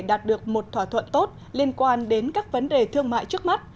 đạt được một thỏa thuận tốt liên quan đến các vấn đề thương mại trước mắt